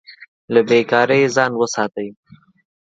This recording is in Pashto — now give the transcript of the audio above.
له بې کارۍ ځان وساتئ.